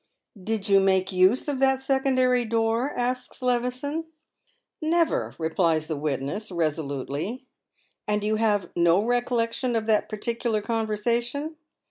" Did you make use of that secondary door ?" asks Levison. "Never! " replies the witness, resolutely. "And you have no recollection of that particular conversation